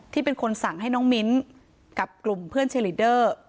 ที่เป็นคนสั่งให้น้องมิ้นท์กับกลุ่มเพื่อนเชียร์ลีดเดอร์